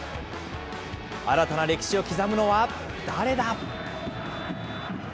新たな歴史を刻むのは誰だ。